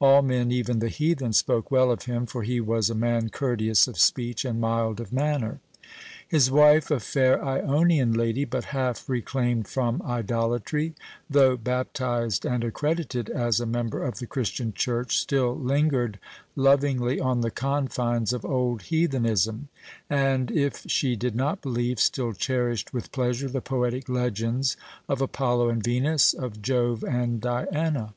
All men, even the heathen, spoke well of him, for he was a man courteous of speech and mild of manner. His wife, a fair Ionian lady but half reclaimed from idolatry, though baptized and accredited as a member of the Christian church, still lingered lovingly on the confines of old heathenism, and if she did not believe, still cherished with pleasure the poetic legends of Apollo and Venus, of Jove and Diana.